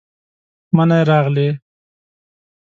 منی راغلې،